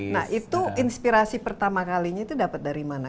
nah itu inspirasi pertama kalinya itu dapat dari mana